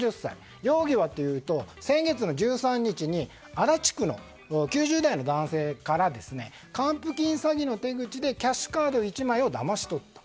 容疑はというと先月の１３日に足立区の９０代の男性から還付金詐欺の手口でキャッシュカード１枚をだまし取った。